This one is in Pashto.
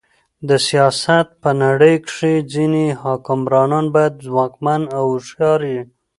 د سیاست په نړۍ کښي ځيني حکمرانان باید ځواکمن او هوښیار يي.